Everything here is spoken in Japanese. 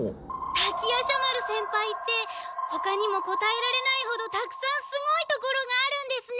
滝夜叉丸先輩ってほかにも答えられないほどたくさんすごいところがあるんですね！